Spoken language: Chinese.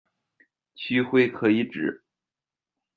区徽可以指：